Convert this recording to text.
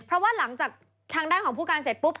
เพราะว่าหลังจากทางด้านของผู้การเสร็จปุ๊บ